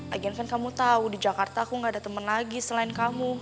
lagian kan kamu tau di jakarta aku gak ada temen lagi selain kamu